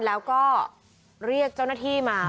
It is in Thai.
แล้วก็เรียกเจ้าหน้าที่มา